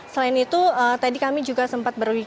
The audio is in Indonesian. selain itu tadi kami juga sempat berbicara